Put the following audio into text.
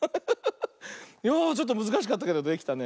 いやあちょっとむずかしかったけどできたね。